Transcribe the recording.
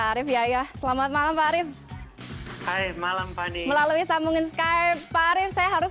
arief yayah selamat malam pak arief hai malam fani melalui sambungan skype pak arief saya harus